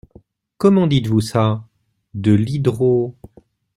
Comment dites-vous ça ? de l’hydro…